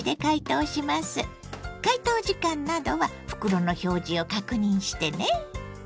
解凍時間などは袋の表示を確認してね。